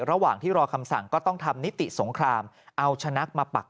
ระหว่างที่รอคำสั่งก็ต้องทำนิติสงครามเอาชนะมาปัก